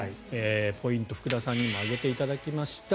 ポイント、福田さんにも挙げていただきました。